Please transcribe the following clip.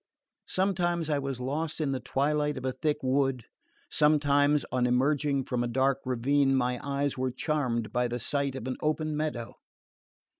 Sometimes I was lost in the twilight of a thick wood; sometimes, on emerging from a dark ravine, my eyes were charmed by the sight of an open meadow...